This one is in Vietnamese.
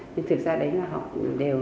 nhưng thực ra đấy là họ đều